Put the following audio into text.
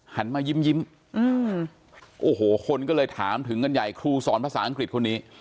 หันมายิ้มโอ้โหคนก็เลยถามถึงกันใหญ่ครูสอนภาษาอังกฤษคนนี้